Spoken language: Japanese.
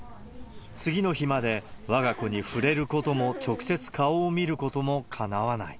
次の日までわが子に触れることも直接顔を見ることもかなわない。